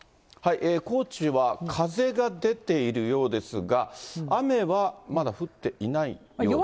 高知は風が出ているようですが、雨はまだ降っていないようですね。